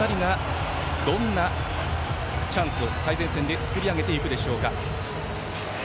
どんなチャンスを最前線で作り上げていくでしょうか。